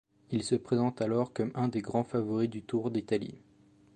Il se présente alors comme un des grands favoris du Tour d'Italie.